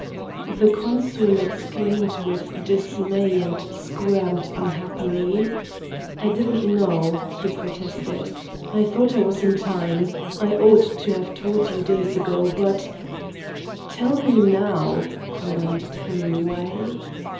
The consul exclaimed with dismay and squirmed unhappily. "I didn't know," he protested. "I thought I was in time. I ought to have told you days ago, but " "Tell me now," commanded Hemingway.